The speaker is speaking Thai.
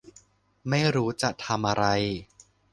ไม่รู้จะทำอะไร